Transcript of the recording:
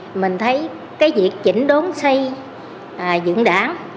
thì mình thấy cái việc chỉnh đốn xây dựng đảng